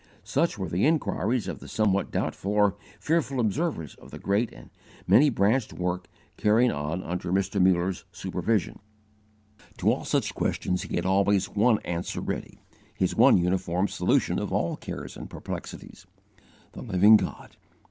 Such were the inquiries of the somewhat doubtful or fearful observers of the great and many branched work carried on under Mr. Muller's supervision. To all such questions he had always one answer ready his one uniform solution of all cares and perplexities: _the Living God.